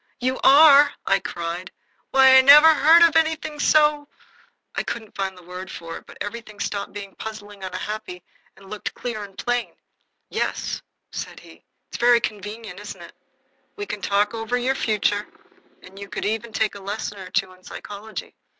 "You are!" I cried. "Why, I never heard of anything so " I couldn't find the word for it, but everything stopped being puzzling and unhappy and looked clear and plain. "Yes," said he. "It's very convenient, isn't it? We can talk over your future, and you could even take a lesson or two in psychology.